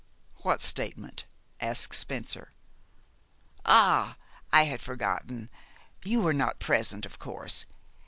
"What statement?" asked Spencer. "Ah, I had forgotten. You were not present, of course.